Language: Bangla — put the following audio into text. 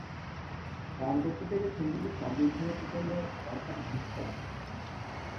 গান করতে চাইলে, সংগীতে সমৃদ্ধ হতে চাইলে মনটাকে মুক্ত রাখতে হবে।